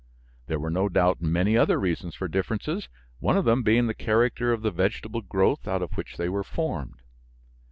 There were no doubt many other reasons for differences, one of them being the character of the vegetable growth out of which they were formed.